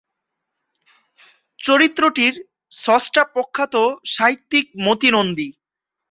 চরিত্রটির স্রষ্টা প্রখ্যাত সাহিত্যিক মতি নন্দী।